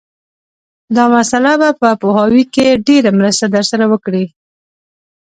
دا مسأله به په پوهاوي کې ډېره مرسته در سره وکړي